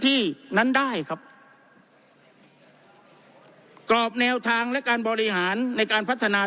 ที่นั้นได้ครับกรอบแนวทางและการบริหารในการพัฒนา